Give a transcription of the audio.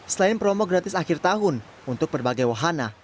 selain promo gratis akhir tahun untuk berbagai wahana